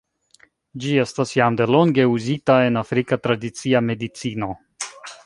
Ĝi estas jam delonge uzita en afrika tradicia medicino.